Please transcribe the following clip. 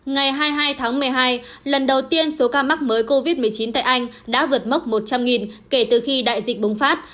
ngày hai mươi hai tháng một mươi hai lần đầu tiên số ca mắc mới covid một mươi chín tại anh đã vượt mốc một trăm linh kể từ khi đại dịch bùng phát